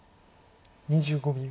２５秒。